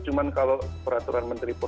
cuma kalau peraturan masih ada maka